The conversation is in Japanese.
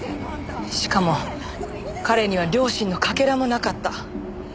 しかも彼には良心のかけらもなかった。